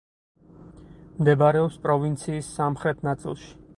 მდებარეობს პროვინციის სამხრეთ ნაწილში.